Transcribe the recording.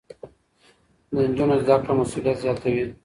د نجونو زده کړه مسؤليت زياتوي.